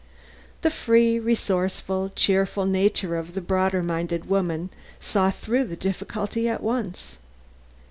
The free, resourceful, cheery nature of the broader minded woman saw through the difficulty at once.